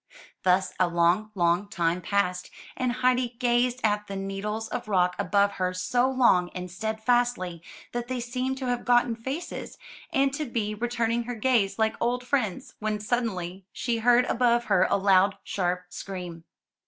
Thus a long, long time passed; and Heidi gazed at the needles of rock above her so long and steadfastly that they seemed to have gotten faces, and to be re turning her gaze like old friends, when suddenly she heard above her a loud, sharp scream.